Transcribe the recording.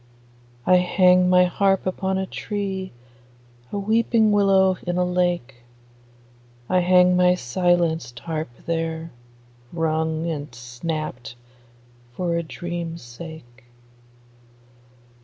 I hang my harp upon a tree, A weeping willow in a lake; I hang my silenced harp there, wrung and snapt For a dream's sake.